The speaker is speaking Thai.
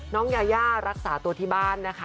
ยาย่ารักษาตัวที่บ้านนะคะ